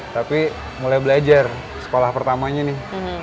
tapi mulai belajar sekolah pertamanya nih